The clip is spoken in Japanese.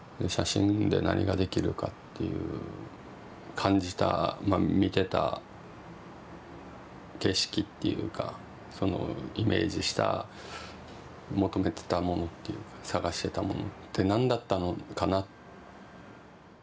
感じたまあ見てた景色っていうかそのイメージした求めてたものっていうか探してたものって何だったのかな。